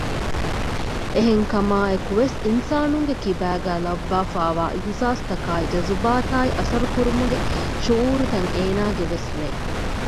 އެހެންކަމާއެކު ވެސް އިންސާނުންގެ ކިބައިގައި ލައްވައިފައިވާ އިޙުސާސްތަކާއި ޖަޒުބާތާއި އަސަރުކުރުމުގެ ޝުޢޫރުތައް އޭނާގެ ވެސް ވެ